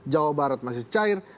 jawa barat masih cair